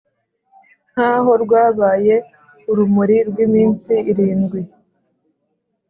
nk’aho rwabaye urumuri rw’iminsi irindwi.